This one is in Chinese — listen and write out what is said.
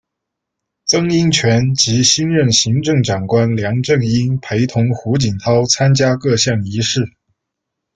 曾荫权及新任行政长官梁振英陪同胡锦涛参加各项仪式。